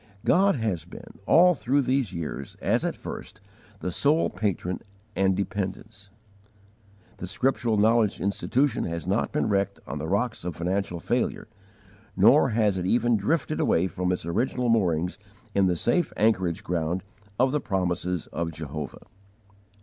God has been, all through these years, as at first, the sole Patron and Dependence. The Scriptural Knowledge Institution has not been wrecked on the rocks of financial failure, nor has it even drifted away from its original moorings in the safe anchorage ground of the Promises of Jehovah.